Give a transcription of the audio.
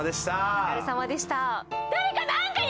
お疲れさまでした。